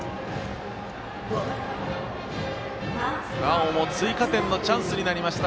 なおも追加点のチャンスになりました。